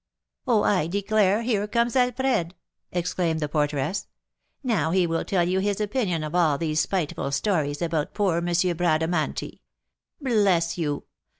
"Oh, I declare, here comes Alfred!" exclaimed the porteress. "Now he will tell you his opinion of all these spiteful stories about poor M. Bradamanti. Bless you!